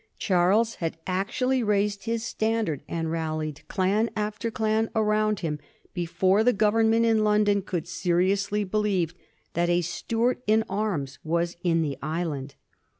Charles had actually raised his standard and rallied clan after clan around him before the Government in London could seriously believe that a Stuart in arms was in the island.